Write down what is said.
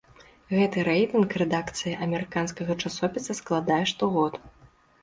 Гэты рэйтынг рэдакцыя амерыканскага часопіса складае штогод.